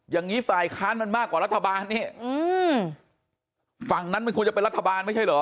อย่างนี้ฝ่ายค้านมันมากกว่ารัฐบาลนี่ฝั่งนั้นมันควรจะเป็นรัฐบาลไม่ใช่เหรอ